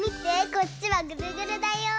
こっちはぐるぐるだよ。